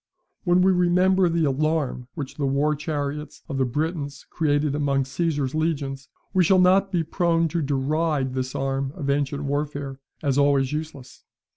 When we remember the alarm which the war chariots of the Britons created among Caesar's legions, we shall not be prone to deride this arm of ancient warfare as always useless.